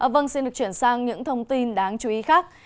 vâng xin được chuyển sang những thông tin đáng chú ý khác